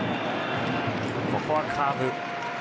ここはカーブ。